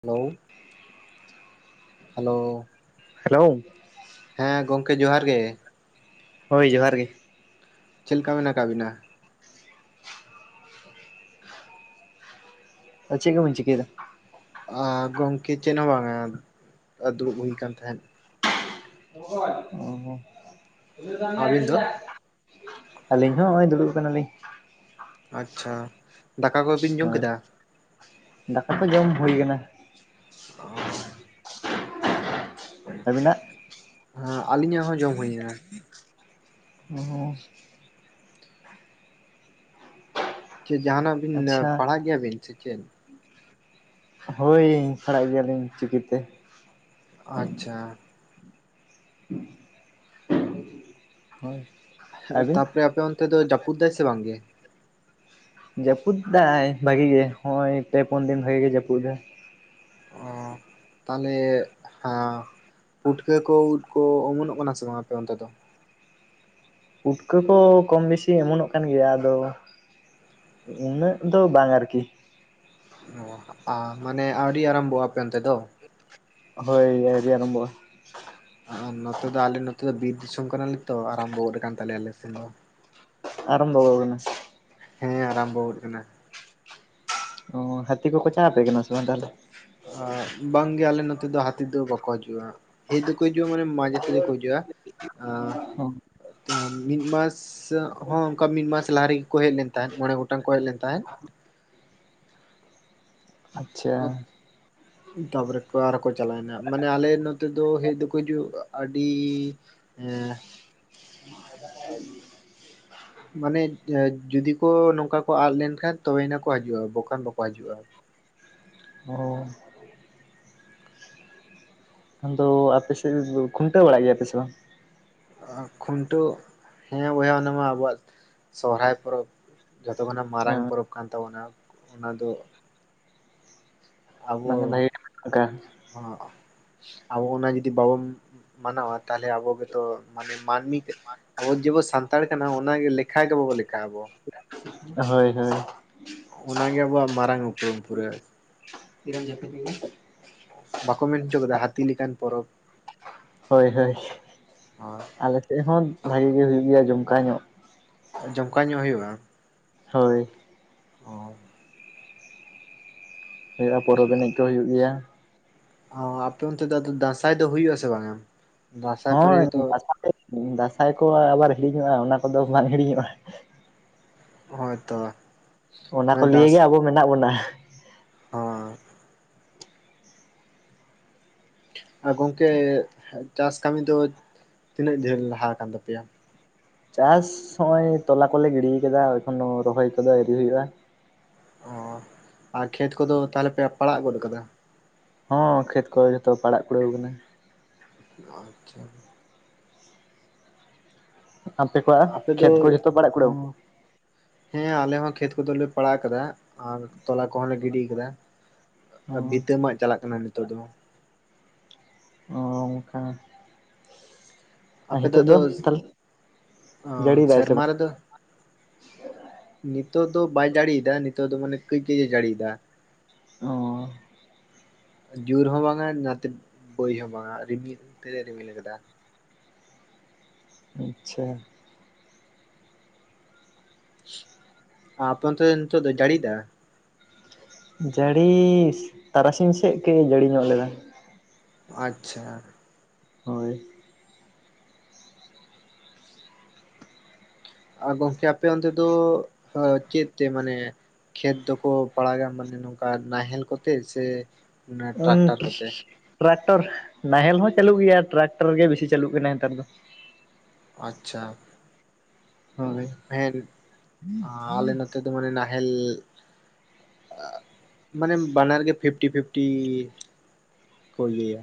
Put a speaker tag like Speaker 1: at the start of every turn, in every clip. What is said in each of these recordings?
Speaker 1: Hello hello
Speaker 2: hello
Speaker 1: ᱦᱮᱸ ᱜᱚᱝᱠᱮ ᱡᱚᱦᱟᱨ ᱜᱮ
Speaker 2: ᱦᱳᱭ ᱡᱚᱦᱟᱨ ᱜᱮ
Speaker 1: ᱪᱮᱫ ᱞᱮᱠᱟ ᱢᱮᱱᱟᱜ ᱠᱟᱜ ᱵᱤᱱᱟ
Speaker 2: ᱟᱨ ᱪᱮᱜ ᱠᱚᱵᱤᱱ ᱪᱤᱠᱟᱹᱭᱫᱟ
Speaker 1: ᱟᱻ ᱜᱚᱝᱠᱮ ᱪᱮᱫ ᱦᱚᱸ ᱵᱟᱝᱟ ᱫᱩᱲᱩᱵ ᱦᱩᱭ ᱠᱟᱱ ᱛᱟᱦᱮᱸᱫ
Speaker 2: [unintelligible] ᱚᱻ
Speaker 1: ᱟᱹᱵᱤᱱ ᱫᱚ
Speaker 2: [unintelligible] ᱟᱞᱤᱧ ᱦᱚᱸ ᱱᱚᱜᱼᱚᱭ ᱫᱩᱲᱩᱵ ᱠᱟᱱᱟ ᱞᱤᱧ
Speaker 1: ᱟᱪᱪᱷᱟ ᱫᱟᱠᱟ ᱠᱚᱵᱤᱱ ᱡᱚᱢ
Speaker 2: ᱦᱳᱭ
Speaker 1: ᱠᱮᱫᱟ
Speaker 2: ᱫᱟᱠᱟ ᱠᱚ ᱡᱚᱢ ᱦᱩᱭ ᱠᱟᱱᱟ
Speaker 1: ᱚᱻ
Speaker 2: ᱟᱹᱵᱤᱱᱟᱜ
Speaker 1: ᱦᱮᱸ ᱟᱹᱞᱤᱧᱟᱜ ᱦᱚᱸ ᱡᱚᱢ ᱦᱩᱭ ᱠᱟᱱᱟ
Speaker 2: ᱚᱻ
Speaker 1: ᱪᱮᱫ ᱡᱟᱦᱟᱱᱟᱜ ᱵᱤᱱ
Speaker 2: ᱟᱪᱪᱷᱟ
Speaker 1: ᱯᱟᱲᱦᱟᱜ ᱜᱮᱭᱟᱵᱤᱱ ᱥᱮ ᱪᱮᱫ
Speaker 2: ᱦᱳᱭ ᱯᱟᱲᱦᱟᱜ ᱜᱮᱭᱟᱞᱤᱧ ᱪᱤᱠᱤᱛᱮ
Speaker 1: ᱟᱪᱪᱷᱟ
Speaker 2: [unintelligible] ᱦᱳᱭ ᱟᱹᱵᱤᱱ?
Speaker 1: ᱛᱟᱯᱚᱨᱮ ᱟᱯᱮ ᱚᱱᱛᱮ ᱫᱚ ᱡᱟᱹᱯᱩᱫ ᱫᱟᱭ ᱥᱮ ᱵᱟᱝᱜᱮ
Speaker 2: ᱡᱟᱹᱯᱩᱫ ᱫᱟᱭ ᱵᱷᱟᱜᱤ ᱜᱮ ᱦᱚᱸᱜᱼᱚᱭ ᱯᱮ ᱯᱩᱱ ᱫᱤᱱ ᱵᱷᱟᱹᱜᱤ ᱜᱮ ᱡᱟᱹᱯᱩᱫ ᱮᱫᱟᱭ
Speaker 1: ᱚᱻ ᱛᱟᱞᱦᱮ ᱦᱚᱸ ᱯᱩᱴᱠᱟᱹ ᱠᱚ ᱩᱫ ᱠᱚ ᱚᱢᱚᱱᱚᱜ ᱠᱟᱱᱟ ᱥᱮ ᱵᱟᱝ ᱟᱯᱮ ᱚᱱᱛᱮ ᱫᱚ
Speaker 2: ᱯᱩᱴᱠᱟᱹ ᱠᱚ ᱠᱚᱢ ᱵᱤᱥᱤ ᱚᱢᱚᱱᱚᱜ ᱠᱟᱱ ᱜᱮᱭᱟ ᱟᱫᱚ ᱩᱱᱟᱹᱜ ᱫᱚ ᱵᱟᱝ ᱟᱨᱠᱤ
Speaker 1: ᱚᱻ ᱟᱻ ᱢᱟᱱᱮ ᱟᱣᱰᱤ ᱟᱨᱟᱢᱵᱷᱚᱜᱼᱟ ᱟᱯᱮ ᱚᱱᱛᱮ ᱫᱚ
Speaker 2: ᱦᱳᱭ ᱟᱹᱣᱨᱤ ᱟᱨᱟᱢᱵᱚᱜᱼᱟ
Speaker 1: ᱟᱨ ᱱᱚᱛᱮ ᱫᱚ ᱟᱞᱮ ᱱᱚᱛᱮ ᱫᱚ ᱵᱤᱨ ᱫᱤᱥᱚᱢ ᱠᱟᱱᱟᱞᱮ ᱛᱚ ᱟᱨᱟᱢᱵᱚ ᱜᱟᱫ ᱠᱟᱱ ᱛᱟᱞᱮᱭᱟ ᱟᱞᱮ ᱥᱮᱱ ᱫᱚ
Speaker 2: ᱟᱨᱟᱢᱵᱚ ᱜᱚᱜ ᱠᱟᱱᱟ
Speaker 1: ᱦᱮᱸ ᱟᱨᱟᱢᱵᱚ ᱜᱚᱫ ᱠᱟᱱᱟ
Speaker 2: ᱚᱻ ᱦᱟᱹᱛᱤ ᱠᱚᱠᱚ ᱪᱟ ᱟᱯᱮ ᱠᱟᱱᱟ ᱥᱮ ᱵᱟᱝ ᱛᱟᱦᱞᱮ
Speaker 1: ᱟᱻ ᱵᱟᱝᱜᱮ ᱟᱞᱮ ᱱᱚᱛᱮ ᱫᱚ ᱦᱟᱹᱛᱤ ᱫᱚ ᱵᱟᱠᱚ ᱦᱟᱹᱡᱩᱜᱼᱟ ᱦᱮᱡ ᱫᱚᱠᱚ ᱦᱤᱡᱩᱜᱼᱟ ᱢᱟᱱᱮ ᱢᱟᱡᱮ ᱥᱟᱡᱮ ᱠᱚ ᱦᱟᱹᱡᱩᱜᱼᱟ
Speaker 2: [unintelligible] ᱦᱚᱸ
Speaker 1: ᱛᱤ ᱢᱤᱫ ᱢᱟᱥ [unintelligible] ᱦᱚᱸ ᱚᱝᱠᱟ ᱢᱤᱫ ᱢᱟᱥ ᱞᱟᱦᱟ ᱨᱮᱜᱮ ᱠᱚ ᱦᱮᱡ ᱞᱮᱱ ᱛᱟᱦᱮᱸᱫ ᱢᱚᱬᱮ ᱜᱚᱴᱟᱝ ᱠᱚ ᱦᱮᱡ ᱞᱮᱱ ᱛᱟᱦᱮᱸᱫ
Speaker 2: ᱟᱪᱪᱷᱟ
Speaker 1: [unintelligible] ᱛᱟᱨᱯᱚᱨᱮ ᱟᱨᱦᱚ ᱠᱚ ᱪᱟᱞᱟᱣᱮᱱᱟ ᱢᱟᱱᱮ ᱟᱞᱮ ᱱᱚᱛᱮ ᱫᱚ ᱦᱮᱡ ᱫᱚᱠᱚ ᱦᱤᱡᱩᱜᱼᱟ ᱟᱹᱰᱤ ᱮ [unintelligible]
Speaker 2: [unintelligible]
Speaker 1: [unintelligible] ᱢᱟᱱᱮ ᱡᱩᱼᱡᱩᱫᱤ ᱠᱚ ᱱᱚᱝᱠᱟ ᱠᱚ ᱟᱫ ᱞᱮᱱ ᱠᱷᱟᱱ ᱛᱚᱵᱮᱭᱮᱱᱟ ᱠᱚ ᱦᱤᱡᱩᱜᱼᱟ ᱵᱟᱠᱷᱟᱱ ᱵᱟᱠᱚ ᱦᱤᱡᱩᱜᱼᱟ
Speaker 2: ᱚᱻ ᱛᱚ ᱟᱯᱮᱥᱮᱱ ᱠᱷᱩᱱᱴᱟᱹᱣ ᱵᱟᱲᱟᱜ ᱜᱮᱭᱟᱯᱮ ᱥᱮ ᱵᱟᱝ
Speaker 1: ᱟᱻ ᱠᱷᱩᱱᱴᱟᱹᱣ ᱦᱮᱸ ᱵᱚᱭᱦᱟ ᱚᱱᱟᱢᱟ ᱟᱵᱚᱣᱟᱜ ᱥᱚᱦᱨᱟᱭ ᱯᱚᱨᱚᱵᱽ ᱡᱚᱛᱚ ᱠᱷᱚᱱᱟᱜ ᱢᱟᱨᱟᱝ ᱯᱚᱨᱚᱵ ᱠᱟᱱ ᱛᱟᱵᱚᱱᱟ ᱚᱱᱟ ᱫᱚ ᱟᱵᱚ
Speaker 2: ᱢᱟᱱᱮ ᱵᱷᱟᱜᱮ ᱚᱱᱠᱟ
Speaker 1: ᱦᱚᱸᱜ ᱟᱵᱚ ᱚᱱᱟ ᱡᱩᱫᱤ ᱵᱟᱵᱚᱱ ᱢᱟᱱᱟᱣᱟ ᱛᱟᱞᱦᱮ ᱟᱵᱚ ᱜᱮᱛᱚ ᱢᱟᱱᱮ ᱢᱟᱱᱢᱤ ᱛᱮᱜ ᱟᱵᱚ ᱡᱮᱵᱚ ᱥᱟᱱᱛᱟᱲ ᱠᱟᱱᱟ ᱚᱱᱟᱜᱮ ᱞᱮᱠᱷᱟ ᱜᱮ ᱵᱟᱵᱚ ᱞᱮᱠᱷᱟᱜ-ᱟ ᱟᱵᱚ
Speaker 2: ᱦᱳᱭ ᱦᱳᱭ
Speaker 1: ᱚᱱᱟᱜᱮ ᱟᱵᱚᱣᱟᱜ ᱢᱟᱨᱟᱝ ᱩᱯᱨᱩᱢ ᱯᱩᱨᱟᱹ
Speaker 2: ᱛᱤᱨᱮᱢ ᱡᱟᱹᱯᱤᱫ ᱠᱮᱫᱟ
Speaker 1: ᱵᱟᱠᱚ ᱢᱮᱱ ᱦᱚᱪᱚ ᱠᱟᱫᱟ ᱦᱟᱹᱛᱤ ᱞᱮᱠᱟᱱ ᱯᱚᱨᱚᱵᱽ
Speaker 2: ᱦᱳᱭ ᱦᱳᱭ ᱟᱞᱮᱥᱮᱫ ᱦᱚᱸ ᱵᱷᱟᱜᱤ ᱜᱮ ᱦᱩᱭᱩᱜ ᱜᱮᱭᱟ ᱡᱚᱢᱠᱟᱣ ᱧᱚᱜ
Speaker 1: ᱡᱚᱢᱠᱟᱣ ᱧᱚᱜ ᱦᱩᱭᱩᱜᱼᱟ
Speaker 2: ᱦᱳᱭ ᱦᱩᱭᱩᱜᱼᱟ ᱯᱚᱨᱚᱵᱽ ᱮᱱᱮᱡ ᱠᱚ ᱦᱩᱭᱩᱜ ᱜᱮᱭᱟ
Speaker 1: ᱚ ᱟᱯᱮ ᱚᱱᱛᱮ ᱫᱚ ᱫᱟᱸᱥᱟᱭ ᱫᱚ ᱦᱩᱭᱩᱜ ᱟᱥᱮ ᱵᱟᱝᱼᱟ
Speaker 2: ᱦᱳᱭ ᱫᱟᱸᱥᱟᱭ ᱠᱚ ᱟᱵᱟᱨ ᱦᱤᱲᱤᱧᱚᱜᱼᱟ ᱚᱱᱟ ᱠᱚᱫᱚ ᱵᱟᱝ ᱦᱤᱲᱤᱧᱚᱜᱼᱟ
Speaker 1: ᱦᱳᱭ ᱛᱚ
Speaker 2: ᱚᱱᱟ ᱠᱚ ᱞᱤᱭᱮ ᱜᱮ ᱟᱵᱚ ᱢᱮᱱᱟᱜ ᱵᱚᱱᱟ
Speaker 1: ᱦᱚᱸ ᱟᱨ ᱜᱚᱝᱠᱮ ᱪᱟᱥ ᱠᱟᱹᱢᱤ ᱫᱚ ᱛᱤᱱᱟᱹᱜ ᱰᱷᱮᱨ ᱞᱟᱦᱟ ᱠᱟᱱ ᱛᱟᱯᱮᱭᱟ
Speaker 2: ᱪᱟᱥ ᱱᱚᱜ ᱚᱭ ᱛᱚᱞᱟ ᱠᱚᱞᱮ ᱜᱤᱰᱤ ᱟᱠᱟᱫᱟ ᱮᱠᱷᱚᱱᱳ ᱨᱚᱦᱚᱭ ᱠᱚᱫᱟ ᱟᱹᱣᱨᱤ ᱦᱩᱭᱩᱜᱼᱟ
Speaker 1: ᱚ ᱟᱨ ᱠᱷᱮᱛ ᱠᱚᱫᱚ ᱛᱟᱦᱚᱞᱮ ᱯᱮ ᱯᱟᱲᱟᱜ ᱜᱚᱫ ᱟᱠᱟᱫᱟ
Speaker 2: ᱦᱚᱸ ᱠᱷᱮᱛ ᱠᱚ ᱡᱷᱚᱛᱚ ᱯᱟᱲᱟᱜ ᱠᱩᱲᱟᱹᱣ ᱟᱠᱟᱱᱟ
Speaker 1: ᱟᱪᱪᱷᱟ
Speaker 2: ᱟᱯᱮ [unintelligible]
Speaker 1: ᱟᱯᱮ ᱫᱚᱼᱼ
Speaker 2: ᱠᱚ ᱡᱚᱛᱚ ᱯᱟᱲᱟᱜ ᱠᱩᱲᱟᱹᱣ
Speaker 1: ᱦᱮᱸ ᱟᱞᱮ ᱦᱚᱸ ᱠᱷᱮᱛ ᱠᱚᱫᱚᱞᱮ ᱯᱟᱲᱟᱜ ᱟᱠᱟᱫᱟ ᱟᱨ ᱛᱚᱞᱟ ᱠᱚᱦᱚᱸ ᱞᱮ ᱜᱤᱰᱤ ᱟᱠᱟᱫᱟ
Speaker 2: ᱚ
Speaker 1: ᱟᱨ ᱵᱷᱤᱛᱟᱹ ᱢᱟᱜ ᱪᱟᱞᱟᱜ ᱠᱟᱱᱟ ᱱᱤᱛᱚᱜ ᱫᱚ
Speaker 2: ᱚ ᱚᱱᱠᱟ ᱟᱨ
Speaker 1: ᱟᱯᱮ ᱫᱚ
Speaker 2: ᱦᱤᱛᱚᱜ
Speaker 1: ᱟᱫᱚ
Speaker 2: ᱛᱟᱦᱚᱞᱮ ᱡᱟᱹᱲᱤᱭᱮᱫᱟᱭ ᱥᱮ
Speaker 1: ᱥᱮᱨᱢᱟ
Speaker 2: ᱵᱟᱝ?
Speaker 1: ᱨᱮᱫᱚ ᱱᱤᱛᱚᱜ ᱫᱚ ᱵᱟᱭ ᱡᱟᱹᱲᱤᱭᱮᱫᱟ ᱱᱤᱛᱚᱜ ᱫᱚ ᱢᱟᱱᱮ ᱠᱟᱹᱭ ᱠᱟᱹᱭ ᱮ ᱡᱟᱹᱲᱤᱭᱮᱫᱟ
Speaker 2: ᱚ
Speaker 1: ᱡᱳᱨ ᱦᱚᱸ ᱵᱟᱝᱟ ᱚᱱᱟᱛᱮ ᱵᱟᱹᱭ ᱦᱚᱸ ᱵᱟᱝᱟ ᱨᱤᱢᱤᱞ ᱛᱮᱜᱼᱮ ᱨᱤᱢᱤᱞ ᱟᱠᱟᱫᱟ
Speaker 2: ᱟᱪᱪᱷᱟ
Speaker 1: ᱟᱯᱮ ᱚᱱᱛᱮ ᱫᱚ ᱱᱤᱛᱚᱜ ᱫᱚ ᱡᱟᱹᱲᱤᱭᱫᱟ
Speaker 2: ᱡᱟᱹᱲᱤ ᱛᱟᱨᱟᱥᱤᱧ ᱥᱮᱫ ᱮ ᱡᱟᱹᱲᱤ ᱧᱚᱜ ᱞᱮᱫᱟ
Speaker 1: ᱟᱪᱪᱷᱟ
Speaker 2: ᱦᱳᱭ
Speaker 1: ᱟᱨ ᱜᱚᱝᱠᱮ ᱟᱯᱮ ᱚᱱᱛᱮ ᱫᱚ ᱪᱮᱫ ᱛᱮ ᱢᱟᱱᱮ ᱠᱷᱮᱛ ᱫᱚᱠᱚ ᱯᱟᱲᱟᱜᱼᱟ ᱢᱟᱱᱮ ᱱᱚᱝᱠᱟ ᱱᱟᱦᱮᱞ ᱠᱚᱛᱮ ᱥᱮ ᱴᱨᱟᱠᱴᱟᱨ
Speaker 2: ᱩ
Speaker 1: ᱠᱚᱛᱮ?
Speaker 2: ᱴᱨᱟᱠᱴᱚᱨ ᱱᱟᱦᱮᱞ ᱦᱚᱸ ᱪᱟᱹᱞᱩᱜ ᱜᱮᱭᱟ ᱴᱨᱟᱠᱴᱚᱨ ᱜᱮ ᱵᱮᱥᱤ ᱪᱟᱹᱞᱩᱜ ᱠᱟᱱᱟ ᱱᱮᱛᱟᱨ ᱫᱚ
Speaker 1: ᱟᱪᱪᱷᱟ
Speaker 2: ᱦᱳᱭ
Speaker 1: ᱦᱮᱱ ᱟᱞᱮ ᱱᱚᱛᱮ ᱫᱚ ᱢᱟᱱᱮ ᱱᱟᱦᱮᱞ ᱢᱟᱱᱮ ᱵᱟᱱᱟᱨ ᱜᱮ ᱯᱷᱤᱯᱴᱤ ᱯᱷᱤᱯᱴᱤ ᱠᱚ ᱤᱭᱟᱹᱭᱟ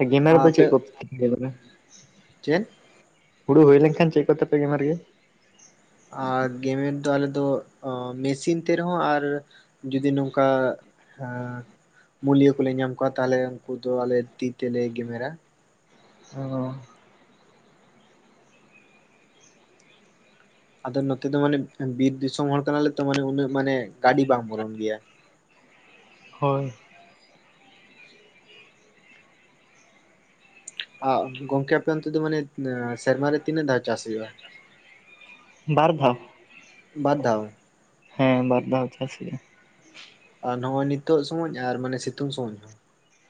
Speaker 2: ᱚ ᱜᱮᱢᱮᱨ ᱫᱚ
Speaker 1: ᱟᱯᱮ
Speaker 2: ᱪᱮᱫ ᱠᱚᱯᱮ? [unintelligible]
Speaker 1: ᱪᱮᱫ?
Speaker 2: ᱦᱩᱲᱩ ᱦᱩᱭ ᱞᱮᱱᱠᱷᱟᱱ ᱪᱮᱫ ᱠᱚ ᱛᱮᱯᱮ ᱜᱮᱢᱮᱨ ᱜᱮᱭᱟ
Speaker 1: ᱟᱨ ᱜᱮᱢᱮᱨ ᱫᱚ ᱟᱞᱮ ᱫᱚ ᱢᱮᱥᱤᱱ ᱛᱮ ᱨᱮᱦᱚᱸ ᱟᱨ ᱡᱩᱫᱤ ᱱᱚᱝᱠᱟ ᱢᱩᱞᱭᱟᱹ ᱠᱚᱞᱮ ᱧᱟᱢ ᱠᱚᱣᱟ ᱛᱟᱦᱞᱮ ᱩᱱᱠᱩ ᱫᱚ ᱟᱞᱮ ᱛᱤ ᱛᱮᱞᱮ ᱜᱮᱢᱮᱨᱟ
Speaker 2: ᱚ
Speaker 1: ᱟᱫᱚ ᱱᱚᱛᱮ ᱫᱚ ᱢᱟᱱᱮ ᱵᱤᱨ ᱫᱤᱥᱚᱢ ᱦᱚᱲ ᱠᱟᱱᱟᱞᱮ ᱛᱚ ᱢᱟᱱᱮ ᱩᱱᱟᱹᱜ ᱢᱟᱱᱮ ᱜᱟᱹᱰᱤ ᱵᱟᱝ ᱵᱚᱞᱚᱱ ᱜᱮᱭᱟ
Speaker 2: ᱦᱳᱭ
Speaker 1: ᱜᱚᱝᱠᱮ ᱟᱯᱮ ᱚᱱᱛᱮ ᱫᱚ ᱢᱟᱱᱮ ᱥᱮᱨᱢᱟᱨᱮ ᱛᱤᱱᱟᱹᱜ ᱫᱷᱟ
Speaker 2: ᱵᱟᱨ ᱫᱷᱟᱣ
Speaker 1: ᱵᱟᱨ ᱫᱷᱟᱣ
Speaker 2: ᱦᱮᱸ ᱵᱟᱨ ᱫᱷᱟᱣ ᱪᱟᱥ ᱦᱩᱭᱩᱜ ᱟ
Speaker 1: ᱟᱨ ᱱᱚᱜᱚᱭ ᱱᱤᱛᱳ ᱥᱚᱢᱚᱭ ᱟᱨ ᱢᱟᱱᱮ ᱥᱤᱛᱩᱝ ᱥᱚᱢᱚᱭ ᱦᱚᱸ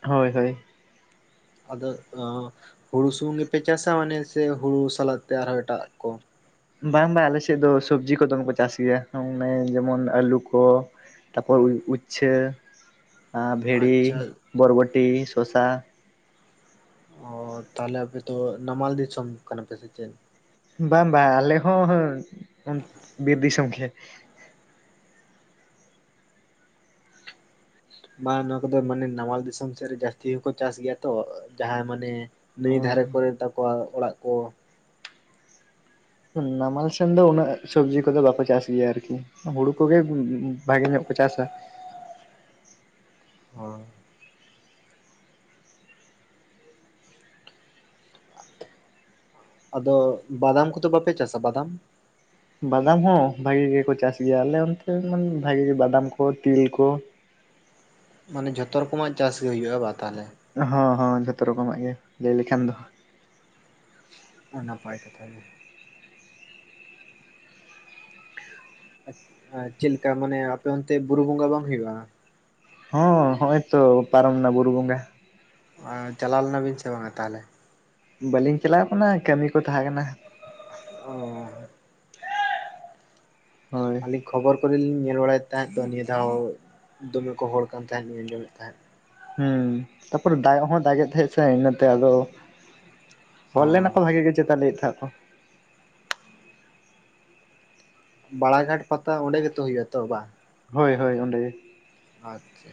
Speaker 2: ᱦᱳᱭ ᱦᱳᱭ
Speaker 1: [inaudible] ᱟᱫᱚ ᱦᱩᱲᱩ ᱥᱩᱢᱩᱝ ᱜᱮᱯᱮ ᱪᱟᱥᱟ ᱢᱟᱱᱮ ᱥᱮ ᱦᱩᱲᱩ ᱥᱟᱞᱟᱜ ᱛᱮ ᱟᱨᱦᱚᱸ ᱮᱴᱟᱜ ᱠᱚ
Speaker 2: ᱵᱟᱝ ᱵᱟᱝ ᱟᱞᱮ ᱥᱮᱫ ᱫᱚ ᱥᱚᱵᱽᱡᱤ ᱠᱚᱫᱚᱢ ᱠᱚ ᱪᱟᱥ ᱜᱮᱭᱟ ᱟᱱᱮ ᱡᱮᱢᱚᱱ ᱟᱹᱞᱩ ᱠᱚ ᱛᱟᱯᱚᱨ ᱩᱪᱷᱟᱹ ᱵᱷᱮᱲᱤ
Speaker 1: ᱟᱪᱪᱷᱟ
Speaker 2: ᱵᱚᱨᱵᱚᱴᱤ ᱥᱚᱥᱟ
Speaker 1: ᱚ ᱛᱟᱦᱚᱞᱮ ᱟᱯᱮ ᱛᱚ ᱱᱟᱢᱟᱞ ᱫᱤᱥᱚᱢ ᱠᱟᱱᱟᱯᱮ ᱥᱮ ᱪᱮᱫ?
Speaker 2: ᱵᱟᱝ ᱵᱟᱝ ᱟᱞᱮ ᱦᱚᱸ ᱵᱤᱨ ᱫᱤᱥᱚᱢ ᱜᱮ
Speaker 1: ᱵᱟᱝ ᱱᱚᱶᱟ ᱠᱚᱫᱚ ᱢᱟᱱᱮ ᱱᱟᱣᱟᱟᱞ ᱫᱤᱥᱚᱢ ᱥᱮᱫ ᱨᱮ ᱡᱟᱹᱥᱛᱤ ᱦᱚᱸᱠᱚ ᱪᱟᱥ ᱜᱮᱭᱟ ᱛᱚ ᱡᱟᱦᱟᱸ ᱢᱟᱱᱮ ᱱᱟᱹᱭ ᱫᱷᱟᱨᱮ ᱠᱚᱨᱮ ᱛᱟᱠᱚᱣᱟ ᱚᱲᱟᱜ ᱠᱚ
Speaker 2: ᱱᱟᱢᱟᱞ ᱥᱮᱱ ᱫᱚ ᱩᱱᱟᱹᱜ ᱥᱚᱵᱽᱡᱤ ᱠᱚᱫᱚ ᱵᱟᱠᱚ ᱪᱟᱥ ᱜᱮᱭᱟ ᱟᱨᱠᱤ ᱦᱩᱲᱩ ᱠᱚᱜᱮ ᱩᱸᱜ ᱩᱸ ᱵᱷᱟᱜᱮ ᱧᱚᱜ ᱠᱚ ᱪᱟᱥᱟ
Speaker 1: ᱦᱳ ᱟᱫᱚ ᱵᱟᱫᱟᱢ ᱠᱚᱫᱚ ᱵᱟᱯᱮ ᱪᱟᱥᱟ ᱵᱟᱫᱟᱢ
Speaker 2: ᱵᱟᱫᱟᱢ ᱦᱚᱸ ᱵᱷᱟᱜᱤ ᱜᱮᱠᱚ ᱪᱟᱥ ᱜᱮᱭᱟ ᱟᱞᱮ ᱚᱱᱛᱮ ᱵᱷᱟᱜᱤ ᱵᱟᱫᱟᱢ ᱠᱚ ᱛᱤᱞ ᱠᱚ
Speaker 1: ᱢᱟᱱᱮ ᱡᱷᱚᱛᱚ ᱨᱚᱠᱚᱢᱟᱜ ᱪᱟᱥ ᱜᱮ ᱦᱳᱭᱳᱼᱟ ᱵᱟ ᱛᱟᱦᱚᱞᱮ
Speaker 2: ᱦᱚᱸ ᱦᱚᱸ ᱡᱷᱚᱛᱚ ᱨᱚᱠᱚᱢᱟᱜ ᱜᱮ ᱞᱟᱹᱭ ᱞᱮᱠᱷᱟᱱ ᱫᱚ
Speaker 1: ᱟᱨ ᱱᱟᱯᱟᱭ ᱠᱟᱛᱷᱟ ᱜᱮ ᱟᱪ ᱟ ᱪᱮᱫ ᱞᱮᱠᱟ ᱢᱟᱱᱮ ᱟᱯᱮ ᱚᱱᱛᱮ ᱵᱩᱨᱩ ᱵᱚᱸᱜᱟ ᱵᱟᱝ ᱦᱩᱭᱩᱜᱼᱟ?
Speaker 2: ᱦᱚᱸ ᱦᱳᱭᱛᱚ ᱯᱟᱨᱚᱢᱱᱟ ᱵᱩᱨᱩ ᱜᱚᱸᱜᱟ
Speaker 1: ᱪᱟᱞᱟᱣ ᱞᱮᱱᱟ ᱵᱤᱱ ᱥᱮ ᱵᱟᱝᱟ ᱛᱟᱦᱚᱞᱮ?
Speaker 2: ᱵᱟᱹᱞᱤᱧ ᱪᱟᱞᱟᱣ ᱟᱠᱟᱱᱟ ᱠᱟᱹᱢᱤ ᱠᱚ ᱛᱟᱦᱮᱸ ᱠᱟᱱᱟ
Speaker 1: ᱚᱻᱻᱻ
Speaker 2: ᱦᱳᱭ
Speaker 1: ᱟᱹᱞᱤᱧ ᱠᱷᱚᱵᱚᱨ ᱠᱚᱨᱮ ᱞᱤᱧ ᱧᱮᱞ ᱵᱟᱲᱟᱭᱮᱫ ᱛᱟᱦᱮᱸᱫ ᱫᱚ ᱱᱤᱭᱟᱹ ᱫᱷᱟᱣ ᱫᱚᱢᱮ ᱠᱚ ᱦᱚᱲ ᱠᱟᱱ ᱛᱟᱦᱮᱸᱫ ᱞᱤᱧ ᱟᱸᱡᱚᱢᱮᱫ ᱛᱟᱦᱮᱸᱫ
Speaker 2: ᱦᱮᱸ ᱛᱟᱯᱚᱨ ᱫᱟᱜ ᱦᱚᱸ ᱫᱟᱜ ᱮᱫ ᱛᱟᱦᱮᱸᱫ ᱥᱮ ᱤᱱᱟᱹᱛᱮ ᱟᱫᱚ ᱚᱞ ᱞᱮᱱᱟ
Speaker 1: ᱦᱚᱸ
Speaker 2: ᱠᱚ ᱵᱷᱟᱜᱤ ᱜᱮ ᱪᱮᱛᱟ ᱞᱟᱹᱭᱮᱫ ᱛᱟᱦᱮᱸᱫ ᱠᱚ
Speaker 1: ᱵᱟᱲᱟ ᱜᱷᱟᱴ ᱯᱟᱛᱟ ᱚᱸᱰᱮ ᱜᱮᱛᱚ ᱦᱩᱭᱩᱜ ᱟ ᱛᱚ ᱵᱟᱝ?
Speaker 2: ᱦᱳᱭ ᱦᱳᱭ ᱚᱸᱰᱮ᱾
Speaker 1: ᱟᱪᱷᱟ᱾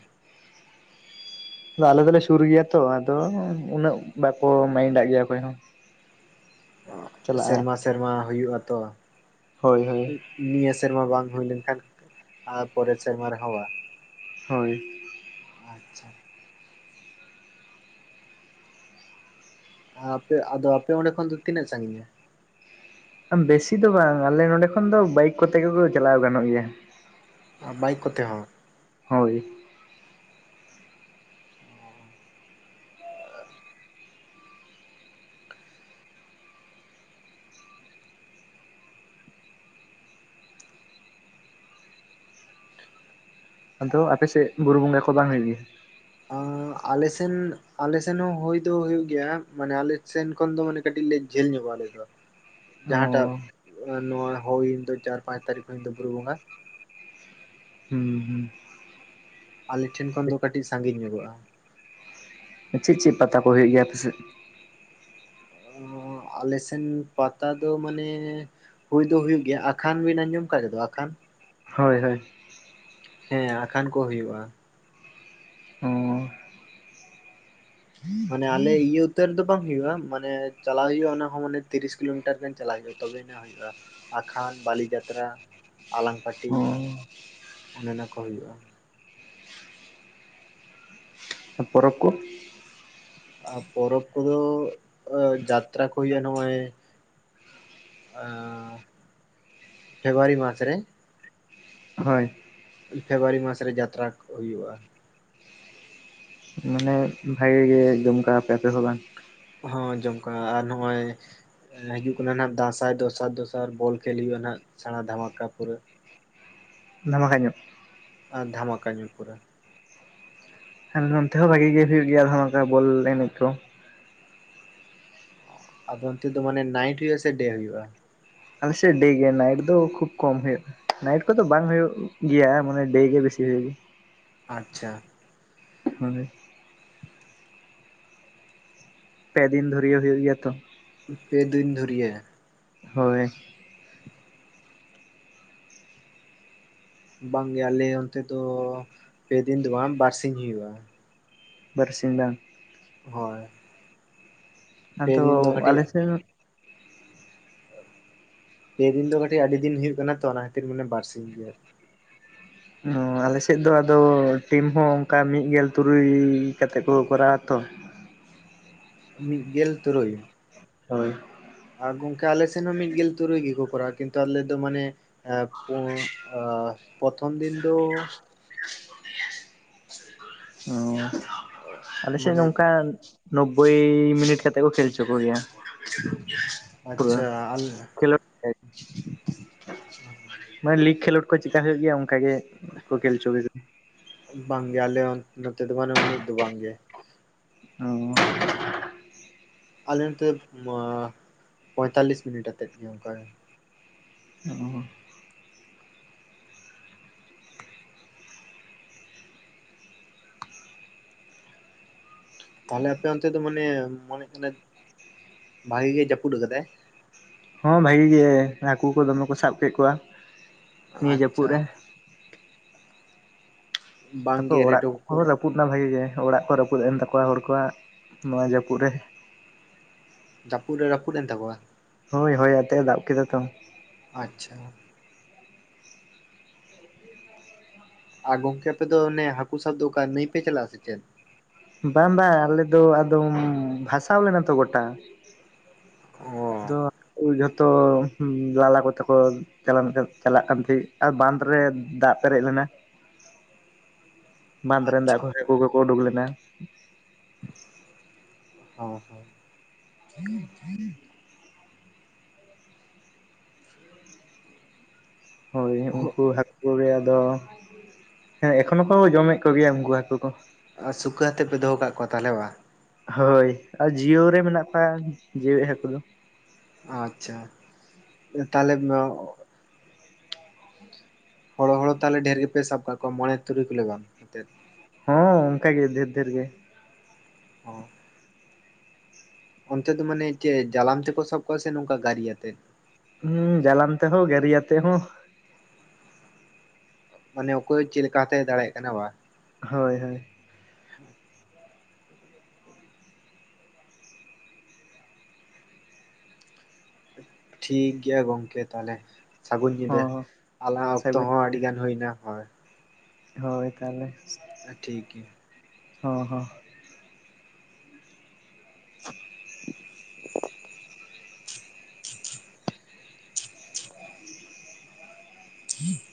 Speaker 2: ᱟᱫᱚ ᱟᱞᱮ ᱫᱚᱞᱮ ᱥᱩᱨ ᱜᱮᱭᱟ ᱛᱚ ᱟᱫᱚ ᱩᱱᱟᱹᱜ ᱵᱟᱠᱚ ᱢᱟᱭᱤᱱᱰᱟᱜ ᱜᱮᱭᱟ ᱚᱠᱚᱭ ᱦᱚᱸ᱾
Speaker 1: ᱚᱜ
Speaker 2: ᱪᱟᱞᱟᱜᱼᱟ
Speaker 1: ᱥᱮᱨᱢᱟ ᱥᱮᱨᱢᱟ ᱦᱩᱭᱩᱜ ᱟ ᱛᱚ
Speaker 2: ᱦᱳᱭ ᱦᱳᱭ
Speaker 1: ᱤᱜ ᱱᱤᱭᱟᱹ ᱥᱮᱨᱢᱟ ᱵᱟᱝ ᱦᱩᱭ ᱞᱮᱱᱠᱷᱟᱱ ᱟᱨ ᱯᱚᱨᱮᱨ ᱥᱮᱨᱢᱟ ᱨᱮᱦᱚᱸ ᱵᱟᱝ᱾
Speaker 2: ᱦᱳᱭ
Speaker 1: ᱟᱪᱷᱟ᱾ ᱟᱯᱮ ᱟᱫᱚ ᱟᱯᱮ ᱚᱸᱰᱮ ᱠᱷᱚᱱ ᱫᱚ ᱛᱤᱱᱟᱹᱜ ᱥᱟᱺᱜᱤᱧᱟ?
Speaker 2: ᱵᱮᱥᱤ ᱫᱚ ᱵᱟᱝ ᱟᱞᱮ ᱱᱚᱰᱮ ᱠᱷᱚᱱ ᱫᱚ ᱵᱟᱭᱤᱠ ᱠᱚᱛᱮ ᱜᱮᱠᱚ ᱪᱟᱞᱟᱣ ᱜᱟᱱᱚᱜ ᱜᱮᱭᱟ᱾
Speaker 1: ᱟᱸ ᱵᱟᱭᱤᱠ ᱠᱚᱛᱮ ᱦᱚᱸ
Speaker 2: ᱦᱳᱭ ᱚᱱᱛᱮ ᱫᱚ ᱟᱯᱮᱥᱮᱫ ᱵᱩᱨᱩ ᱵᱚᱸᱜᱟ ᱠᱚ ᱵᱟᱝ ᱦᱩᱭᱩᱜ ᱜᱮᱭᱟ
Speaker 1: ᱟᱸᱻᱜ ᱟᱞᱮᱥᱮᱱ ᱟᱞᱮᱥᱮᱱ ᱦᱚᱸ ᱦᱩᱭ ᱫᱚ ᱦᱩᱭᱩᱜ ᱜᱮᱭᱟ ᱢᱟᱱᱮ ᱟᱞᱮ ᱥᱮᱱ ᱠᱷᱚᱱ ᱫᱚ ᱢᱟᱱᱮ ᱠᱟᱹᱴᱤᱡ ᱞᱮ ᱡᱷᱟᱹᱞ ᱧᱚᱜᱚᱜᱼᱟ ᱟᱞᱮ ᱫᱚ ᱡᱟᱦᱟᱸᱴᱟᱜ
Speaker 2: ᱚ
Speaker 1: ᱱᱚᱣᱟ ᱦᱩᱭᱮᱱ ᱫᱚ ᱪᱟᱨ ᱯᱟᱸᱪ ᱛᱟᱹᱨᱤᱠᱷ ᱦᱩᱭᱮᱱ ᱫᱚ ᱵᱩᱨᱩ ᱵᱚᱸᱜᱟ
Speaker 2: [unintelligible] ᱦᱩᱸ ᱦᱩᱸ
Speaker 1: ᱟᱞᱮ ᱴᱷᱮᱱ ᱠᱷᱚᱱ ᱫᱚ ᱠᱟᱹᱴᱤᱡ ᱥᱟᱺᱜᱤᱧ ᱧᱚᱜᱚᱜᱼᱟ᱾
Speaker 2: ᱪᱮᱫ ᱪᱮᱫ ᱯᱟᱛᱟ ᱠᱚ ᱦᱩᱭᱩᱜ ᱜᱮᱭᱟ ᱟᱯᱮ ᱥᱮᱫ?
Speaker 1: ᱟᱞᱮ ᱥᱮᱱ ᱯᱟᱛᱟ ᱫᱚ ᱢᱟᱱᱮ ᱦᱩᱭ ᱫᱚ ᱦᱩᱭᱩᱜ ᱜᱮᱭᱟ ᱟᱠᱷᱟᱱ ᱵᱮᱱ ᱟᱡᱚᱢ ᱟᱠᱟᱫ ᱨᱮᱫᱚ ᱟᱠᱷᱟᱱ?
Speaker 2: ᱦᱳᱭ ᱦᱳᱭ᱾
Speaker 1: ᱦᱮᱸ ᱟᱠᱷᱟᱱ ᱠᱚ ᱦᱩᱭᱩᱜᱼᱟ
Speaker 2: ᱚ
Speaker 1: ᱢᱟᱱᱮ ᱟᱞᱮ ᱤᱭᱟᱹ ᱩᱛᱟᱹᱨ ᱨᱮ ᱫᱚ ᱵᱟᱝ ᱦᱩᱭᱩᱜ-ᱟ ᱢᱟᱱᱮ ᱪᱟᱞᱟᱜ ᱦᱩᱭᱩᱜᱼᱟ ᱚᱱᱟ ᱦᱚᱸ ᱢᱟᱱᱮ ᱛᱤᱨᱤᱥ ᱠᱤᱞᱳ ᱢᱤᱴᱟᱨ ᱜᱟᱱ ᱪᱟᱞᱟᱜ ᱦᱩᱭᱩᱜᱼᱟ ᱛᱚᱵᱮ ᱱᱟᱜ ᱦᱩᱭᱩᱜᱼᱟ ᱟᱠᱷᱟᱱ ᱵᱟᱹᱞᱤ ᱡᱟᱛᱨᱟ ᱟᱞᱟᱝ ᱯᱟᱹᱴᱤ ᱚᱱᱮ ᱚᱱᱟᱠᱚ ᱦᱩᱭᱩᱜᱼᱟ
Speaker 2: ᱯᱚᱨᱚᱵᱽ ᱠᱚ
Speaker 1: ᱟᱨ ᱯᱚᱨᱚᱵᱽ ᱠᱚ ᱫᱚ ᱡᱟᱛᱨᱟ ᱠᱚ ᱦᱩᱭᱩᱜᱼᱟ ᱱᱚᱜᱼᱚᱭ ᱟᱸᱻ ᱯᱷᱮᱵᱽᱨᱩᱣᱟᱨᱤ ᱢᱟᱥ ᱨᱮ
Speaker 2: ᱦᱳᱭ
Speaker 1: ᱯᱷᱮᱵᱽᱨᱩᱣᱟᱨᱤ ᱢᱟᱥ ᱨᱮ ᱡᱟᱛᱨᱟ ᱠᱚ ᱦᱩᱭᱩᱜᱼᱟ
Speaker 2: ᱢᱟᱱᱮ ᱵᱷᱟᱜᱤ ᱜᱮ ᱡᱚᱢᱠᱟᱣᱟᱯᱮ ᱟᱯᱮ ᱦᱚᱸ ᱵᱟᱝ
Speaker 1: ᱦᱚᱸ ᱡᱚᱢᱠᱟᱣ ᱟᱨ ᱱᱚᱜᱼᱚᱭ ᱦᱤᱡᱩᱜ ᱠᱟᱱᱟ ᱱᱟᱜ ᱫᱟᱸᱥᱟᱭ ᱫᱚᱥᱟᱨ ᱫᱚᱥᱟᱨ ᱵᱚᱞ ᱠᱷᱮᱞ ᱦᱩᱭᱩᱜᱳᱼᱟ ᱱᱟᱜ ᱥᱮᱬᱟ ᱫᱷᱟᱢᱟᱠᱟ ᱯᱩᱨᱟᱹ
Speaker 2: ᱫᱷᱟᱢᱟᱠᱟ ᱧᱚᱜ
Speaker 1: ᱟᱨ ᱫᱷᱟᱢᱟᱠᱟ ᱧᱚᱜ ᱯᱩᱨᱟᱹ
Speaker 2: ᱦᱮᱸ ᱱᱚᱱᱛᱮ ᱦᱚᱸ ᱵᱷᱟᱜᱤ ᱜᱮ ᱦᱩᱭᱩᱜ ᱜᱮᱭᱟ ᱦᱚᱸ ᱱᱚᱝᱠᱟ ᱵᱚᱞ ᱮᱱᱮᱡ ᱠᱚ
Speaker 1: ᱟᱫᱚ ᱚᱱᱛᱮ ᱫᱚ ᱢᱟᱱᱮ ᱱᱟᱭᱤᱴ ᱦᱩᱭᱩᱜᱼᱟ ᱥᱮ ᱰᱮ ᱦᱩᱭᱩᱼᱟ
Speaker 2: ᱟᱞᱮ ᱥᱮᱫ ᱰᱮ ᱜᱮ ᱱᱟᱭᱤᱴ ᱫᱚ ᱠᱷᱩᱵᱽ ᱠᱚᱢ ᱦᱩᱭᱩᱜᱼᱟ ᱱᱟᱭᱤᱴ ᱠᱚ ᱫᱚ ᱵᱟᱝ ᱦᱩᱭᱩᱜ ᱜᱮᱭᱟ ᱢᱟᱱᱮ ᱰᱮ ᱜᱮ ᱵᱮᱥᱤ ᱦᱩᱭᱩᱜ ᱜᱮ
Speaker 1: ᱟᱪᱪᱷᱟ
Speaker 2: ᱢᱟᱱᱮ ᱯᱮ ᱫᱤᱱ ᱫᱷᱩᱨᱤᱭᱟᱹ ᱦᱩᱭᱩᱜ ᱜᱮᱭᱟ ᱛᱚ
Speaker 1: ᱯᱮ ᱫᱤᱱ ᱫᱷᱩᱨᱭᱟᱹ
Speaker 2: ᱦᱳᱭ
Speaker 1: ᱵᱟᱝ ᱜᱮ ᱟᱞᱮ ᱚᱱᱛᱮ ᱫᱚ ᱯᱮ ᱫᱤᱱ ᱫᱚ ᱵᱟᱝ ᱵᱟᱨ ᱥᱤᱧ ᱦᱩᱭᱩᱜᱼᱟ
Speaker 2: ᱵᱟᱨ ᱥᱤᱧ ᱵᱟᱝ
Speaker 1: ᱦᱳᱭ ᱯᱮ ᱫᱤᱱ ᱫᱚ
Speaker 2: ᱟᱫᱚ
Speaker 1: ᱠᱟᱹᱴᱤᱡ
Speaker 2: ᱟᱞᱮ ᱥᱮᱫ ᱦᱚᱸ
Speaker 1: ᱯᱮ ᱫᱤᱱ ᱫᱚ ᱠᱟᱹᱴᱤᱡ ᱟᱹᱰᱤ ᱫᱤᱱ ᱦᱩᱭᱩᱜ ᱠᱟᱱᱟ ᱛᱚ ᱚᱱᱟ ᱠᱷᱟᱹᱛᱤᱨ ᱢᱟᱱᱮ ᱵᱟᱨ ᱥᱤᱧ ᱨᱮᱭᱟᱜ
Speaker 2: ᱚ ᱟᱞᱮ ᱥᱮᱫ ᱫᱚ ᱟᱫᱚ ᱴᱤᱢ ᱦᱚᱸ ᱚᱱᱠᱟ ᱢᱤᱫ ᱜᱮᱞ ᱛᱩᱨᱩᱭ ᱠᱟᱛᱮᱜ ᱠᱚ ᱠᱚᱨᱟᱣᱟ ᱛᱚ
Speaker 1: ᱢᱤᱫ ᱜᱮᱞ ᱛᱩᱨᱩᱭ
Speaker 2: ᱦᱳᱭ
Speaker 1: ᱟᱨ ᱜᱚᱝᱠᱮ ᱟᱞᱮ ᱥᱮᱱ ᱦᱚᱸ ᱢᱤᱫ ᱜᱮᱞ ᱛᱩᱨᱩᱭ ᱜᱮ ᱠᱚ ᱠᱚᱨᱟᱣᱟ ᱠᱤᱱᱛᱩ ᱟᱞᱮ ᱫᱚ ᱢᱟᱱᱮ ᱮᱸ ᱯᱚᱸᱜ ᱟ ᱯᱚᱛᱷᱚᱢ ᱫᱤᱱ ᱫᱚ
Speaker 2: ᱦᱩᱸ ᱟᱞᱮ ᱥᱮᱫ
Speaker 1: ᱢᱟᱱᱮ
Speaker 2: ᱦᱚᱸ ᱚᱝᱠᱟ ᱱᱳᱵᱵᱳᱭ ᱢᱤᱱᱤᱴ ᱠᱟᱛᱮᱫ ᱠᱚ ᱠᱷᱮᱞ ᱦᱚᱪᱚ ᱠᱚ ᱜᱮᱭᱟ ᱯᱩᱨᱟᱹ
Speaker 1: ᱟᱪᱪᱷᱟ ᱟᱞᱮ
Speaker 2: ᱠᱷᱮᱞᱳᱰ ᱥᱮᱡ
Speaker 1: [inaudible]
Speaker 2: ᱢᱟᱱᱮ ᱞᱤᱜᱽ ᱠᱷᱮᱞᱳᱰ ᱠᱚ ᱪᱤᱠᱟᱹ ᱦᱳᱭᱳᱜ ᱜᱮᱭᱟ ᱚᱱᱠᱟ ᱜᱮ ᱠᱚ ᱠᱷᱮᱞ ᱦᱚᱪᱚ
Speaker 1: ᱵᱟᱝᱜᱮ ᱟᱞᱮ ᱚᱱ ᱱᱚᱛᱮ ᱫᱚ ᱵᱟᱱᱮ ᱩᱱᱟᱹᱜ ᱫᱚ ᱵᱟᱝᱜᱮ
Speaker 2: ᱚ [unintelligible]
Speaker 1: ᱟᱞᱮ ᱱᱚᱛᱮ ᱢᱟ ᱯᱚᱭᱛᱟᱞᱞᱤᱥ ᱢᱤᱱᱤᱴ ᱟᱛᱮᱫ ᱜᱮ ᱚᱱᱠᱟ
Speaker 2: ᱚ [unintelligible]
Speaker 1: ᱛᱟᱦᱚᱞᱮ ᱟᱯᱮ ᱚᱱᱛᱮ ᱫᱚ ᱢᱟᱱᱮ ᱢᱚᱱᱮ ᱠᱟᱱᱟᱹᱧ ᱵᱷᱟᱜᱤ ᱜᱮ ᱡᱟᱹᱯᱩᱫ ᱟᱠᱟᱫᱟᱭ
Speaker 2: ᱦᱚᱸ ᱵᱷᱟᱜᱤ ᱜᱮ ᱦᱟᱹᱠᱩ ᱠᱚ ᱫᱚᱢᱮ ᱠᱚ ᱥᱟᱵ ᱠᱮᱫ ᱠᱚᱣᱟ ᱱᱤᱭᱟᱹ ᱡᱟᱹᱯᱩᱫ
Speaker 1: ᱟᱪᱪᱷᱟ
Speaker 2: ᱨᱮ ᱛᱟᱯᱚᱨ
Speaker 1: ᱵᱟᱝᱜᱮ
Speaker 2: ᱚᱲᱟᱜ
Speaker 1: ᱨᱮᱰᱚ
Speaker 2: ᱠᱚ ᱦᱚᱸ
Speaker 1: ᱠᱚᱨᱟ
Speaker 2: ᱨᱟᱹᱯᱩᱫ ᱮᱱᱟ ᱵᱷᱟᱜᱤ ᱜᱮ ᱚᱲᱟᱜ ᱠᱚ ᱨᱟᱹᱯᱩᱫ ᱮᱱ ᱛᱟᱠᱚᱣᱟ ᱦᱚᱲ ᱠᱚᱣᱟᱜ ᱱᱚᱣᱟ ᱡᱟᱹᱯᱩᱫ ᱨᱮ
Speaker 1: ᱡᱟᱹᱯᱩᱫ ᱨᱮ ᱨᱟᱹᱯᱩᱫ ᱮᱱ ᱛᱟᱠᱚᱣᱟ
Speaker 2: ᱦᱳᱭ ᱦᱚᱭ ᱟᱛᱮᱫ-ᱮ ᱫᱟᱜ ᱠᱮᱫᱟ ᱛᱚ
Speaker 1: ᱟᱪᱪᱷᱟ ᱟᱨ ᱜᱚᱝᱠᱮ ᱟᱯᱮ ᱫᱚ ᱚᱱᱮ ᱦᱟᱹᱠᱩ ᱥᱟᱵ ᱫᱚ ᱚᱠᱟ ᱱᱟᱹᱭ ᱯᱮ ᱪᱟᱞᱟᱜ-ᱟ ᱥᱮ ᱪᱮᱫ
Speaker 2: ᱵᱟᱝ ᱵᱟᱝ ᱟᱞᱮ ᱫᱚ ᱟᱫᱚᱢ ᱵᱷᱟᱥᱟᱣ ᱞᱮᱱᱟ ᱛᱚ ᱜᱚᱴᱟ
Speaker 1: ᱚ
Speaker 2: ᱟᱫᱚ [unintelligible] ᱡᱷᱚᱛᱚ ᱞᱟᱞᱟ ᱠᱚᱛᱮ ᱠᱚ ᱪᱟᱞᱟᱱ ᱪᱟᱞᱟᱜ ᱠᱟᱱ ᱛᱟᱦᱮᱸᱡ ᱟᱨ ᱵᱟᱱᱫᱽ ᱨᱮ ᱫᱟᱜ ᱯᱮᱨᱮᱡ ᱞᱮᱱᱟ ᱵᱟᱸᱫᱽ ᱨᱮᱱ ᱫᱟᱜ
Speaker 1: ᱟᱪᱪᱷᱟ
Speaker 2: ᱠᱷᱚᱭ ᱦᱟᱠᱳ ᱠᱚ ᱠᱚ ᱳᱰᱳᱠ ᱞᱮᱱᱟ
Speaker 1: ᱦᱚᱸ ᱦᱚᱸ
Speaker 2: [inaudible] ᱦᱳᱭ ᱩᱱᱠᱩ ᱦᱟᱹᱠᱳ ᱜᱮ ᱟᱫᱚ ᱦᱮᱸ ᱮᱠᱷᱚᱱᱚᱜ ᱠᱚ ᱡᱚᱢᱮᱜ ᱠᱚᱜᱮᱭᱟ ᱩᱱᱠᱩ ᱦᱟᱹᱠᱳ ᱠᱚ
Speaker 1: ᱟᱨ ᱥᱩᱠᱟᱹ ᱦᱟᱛᱮᱜ ᱯᱮ ᱫᱚᱦᱚ ᱠᱟᱜ ᱠᱚᱣᱟ ᱛᱟᱦᱚᱞᱮ ᱵᱟ
Speaker 2: ᱦᱳᱭ ᱟᱨ ᱡᱤᱭᱟᱹᱣ ᱨᱮ ᱢᱮᱱᱟᱜ ᱠᱚᱣᱟ ᱡᱮᱣᱮᱜ ᱦᱟᱹᱠᱩ ᱫᱚ
Speaker 1: ᱟᱪᱪᱷᱟ ᱛᱟᱞᱮᱢ ᱦᱚᱲᱚ ᱦᱚᱲᱚ ᱛᱟᱦᱚᱞᱮ ᱰᱷᱮᱨ ᱜᱮᱯᱮ ᱥᱟᱵ ᱠᱟᱜ ᱠᱚᱣᱟ ᱢᱚᱬᱮ ᱛᱩᱨᱩᱭ ᱠᱤᱞᱚ ᱜᱟᱱ ᱠᱟᱛᱮᱫ
Speaker 2: ᱦᱚᱸ ᱚᱱᱠᱟ ᱜᱮ ᱰᱷᱮᱨ ᱰᱷᱮᱨ ᱜᱮ
Speaker 1: ᱚ ᱚᱱᱛᱮ ᱫᱚ ᱢᱟᱱᱮ ᱪᱮ ᱡᱟᱞᱟᱢ ᱛᱮᱠᱚ ᱥᱟᱵ ᱠᱚᱣᱟ ᱥᱮ ᱱᱚᱝᱠᱟ ᱜᱟᱹᱨᱤᱭᱟ ᱛᱮ
Speaker 2: ᱦᱩᱸ ᱡᱟᱞᱟᱢ ᱛᱮᱦᱚᱸ ᱜᱟᱹᱨᱤᱭᱟᱛᱮ ᱦᱚᱸ
Speaker 1: ᱢᱟᱱᱮ ᱚᱠᱚᱭ ᱪᱮᱫ ᱞᱮᱠᱟᱛᱮᱭ ᱫᱟᱲᱮᱭᱟᱜ ᱠᱟᱱᱟ ᱵᱟ
Speaker 2: ᱦᱳᱭ ᱦᱳᱭ
Speaker 1: ᱴᱷᱤᱠ ᱜᱤᱭᱟ ᱜᱚᱝᱠᱮ ᱛᱟᱦᱚᱞᱮ ᱥᱟᱹᱜᱩᱱ ᱧᱤᱫᱟᱹ
Speaker 2: ᱦᱚᱸ ᱦᱚᱸ
Speaker 1: ᱟᱞᱟᱝ ᱚᱠᱛᱚ
Speaker 2: ᱥᱟᱹᱜᱩᱱ
Speaker 1: ᱦᱚᱸ ᱟᱹᱰᱤ ᱜᱟᱱ ᱦᱩᱭ ᱱᱟ ᱦᱳᱭ
Speaker 2: ᱦᱳᱭ ᱛᱟᱦᱚᱞᱮ
Speaker 1: ᱴᱷᱤᱠ ᱜᱤᱭᱟ
Speaker 2: ᱦᱚᱸ ᱦᱚᱸ [inaudible]
Speaker 1: [inaudible]
Speaker 2: [inaudible]
Speaker 1: [inaudible]